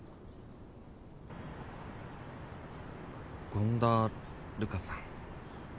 権田瑠華さん。